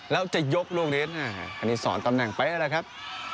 แล้วจะยกลูกนี้อันนี้สอนตำแหน่งเป๊ะแล้วครับ